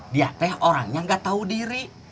dia teh orangnya nggak tahu diri